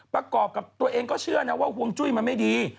ประกอบกับตัวเองก็เชื่อนะว่าห่วงจุ้ยมันไม่ดี